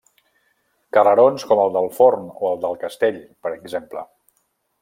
Carrerons com el del Forn o el del castell, per exemple.